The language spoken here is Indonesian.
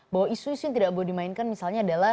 bahwa isu isu yang tidak boleh dimainkan misalnya adalah